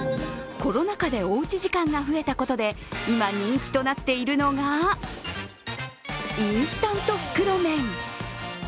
コロナ禍でおうち時間が増えたことで今人気となっているのがインスタント袋麺。